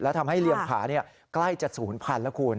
และทำให้เรียมผาใกล้จะศูนย์พันธุ์แล้วคุณ